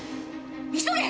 急げ！